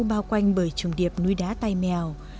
bao quanh bởi trùng điệp nuôi đá tai mèo